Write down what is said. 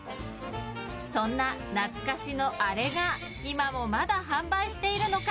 そんな懐かしのあれが今もまだ販売しているのか？